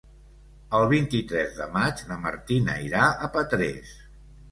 El vint-i-tres de maig na Martina irà a Petrés.